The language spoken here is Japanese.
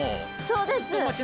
そうです。